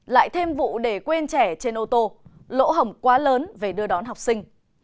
lại thêm vụ để quên trẻ trên ô tô lỗ hổng quá lớn về đưa đón học sinh